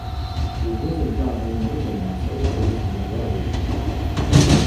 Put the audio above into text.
Угвы закӏгьи гӏанауымрыгын… –Йгӏасаухӏвыргьи сгьнагваралуашым.